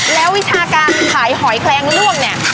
แล้ววิชาการขายหอยแคลงล่วงเนี่ย